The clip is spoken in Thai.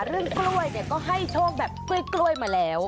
เรื่องกล้วยเนี่ยก็ให้โชคแบบกล้วยมาแล้ว